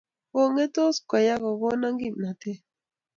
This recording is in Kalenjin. kengetos koyaa kokona kimnatet